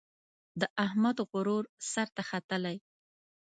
د احمد غرور سر ته ختلی.